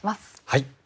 はい。